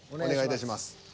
お願いいたします。